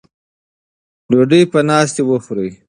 ډوډۍ په ناستې وخورئ.